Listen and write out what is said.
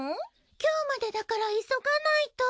今日までだから急がないと。